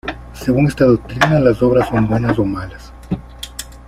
Según esta doctrina, las obras son buenas o malas.